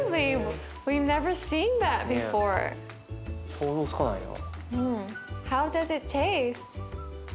想像つかないな。